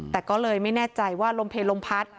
แต่ก็เลยไม่แน่ใจว่าลมเพลลมพัด